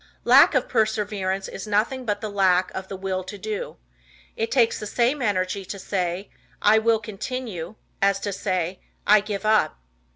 Lack of Perseverance is nothing but the lack of the Will To Do. It takes the same energy to say, "I will continue," as to say, "I give up."